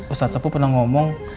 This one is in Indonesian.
ustaz sepuh pernah ngomong